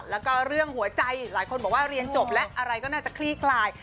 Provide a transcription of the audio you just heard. แล้วก็เรื่องหัวใจหลายคนบอกว่าเรียนจบแล้วอะไรก็น่าจะคลี่คลาย